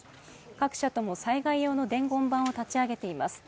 各社とも災害用の伝言板を立ち上げています。